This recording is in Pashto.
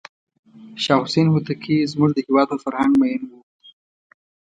شاه حسین هوتکی زموږ د هېواد په فرهنګ مینو و.